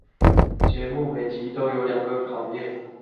节目每集有两个考验。